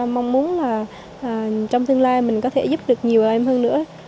mong muốn là trong tương lai mình có thể giúp được nhiều em hơn nữa